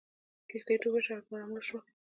کښتۍ ډوبه شوه او دواړه مړه شول.